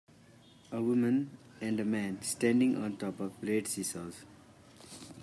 A woman and a man standing on top of red seesaws.